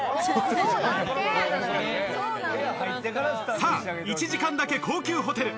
さあ、１時間だけ高級ホテル。